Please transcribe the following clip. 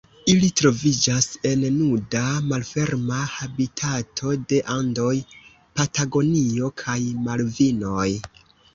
Ili troviĝas en nuda, malferma habitato de Andoj, Patagonio kaj Malvinoj.